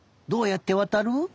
どうやってわたる？